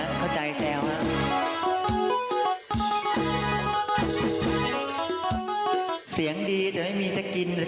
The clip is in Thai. ก่อนที่จะก่อเหตุนี้นะฮะไปดูนะฮะสิ่งที่เขาได้ทิ้งเอาไว้นะครับ